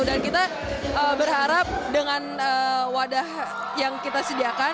dan kita berharap dengan wadah yang kita sediakan